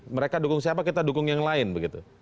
mereka dukung siapa kita dukung yang lain begitu